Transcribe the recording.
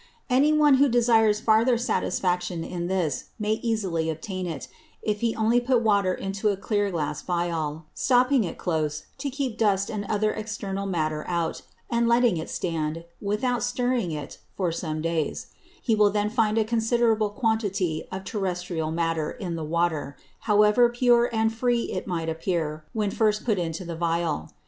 Any one who desires farther Satisfaction in this, may easily obtain it, if he only put Water into a clear Glass Viol, stopping it close, to keep Dust and other exterior Matter out, and letting it stand, without stirring it for some Days: He will then find a considerable Quantity of terrestrial Matter in the Water, however pure and free it might appear when first put into the Viol.